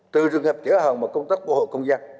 từ trường hợp chở hàng và công tác bộ hội công dân